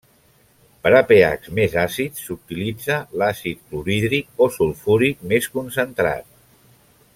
Per a pH més àcids s'utilitza l'àcid clorhídric o sulfúric més concentrat.